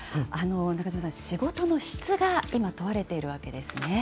中島さん、仕事の質が今、問われているわけですね。